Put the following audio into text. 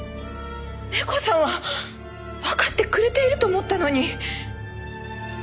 ネコさんはわかってくれていると思ったのに。